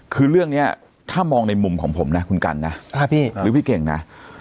คือเรื่องนี้ถ้ามองในมุมของผมนะคุณกันนะหรือพี่เก่งนะ